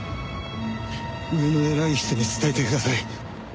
上の偉い人に伝えてください。